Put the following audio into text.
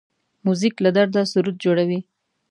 موزیک له درده سرود جوړوي.